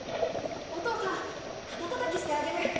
お父さん肩たたきしてあげる。